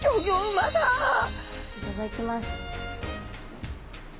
いただきます。